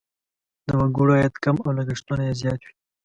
د وګړو عاید کم او لګښتونه یې زیات وي.